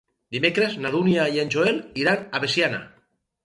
Dimecres na Dúnia i en Joel iran a Veciana.